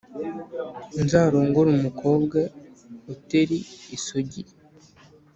Ntazarongore umukobwa uteri isugi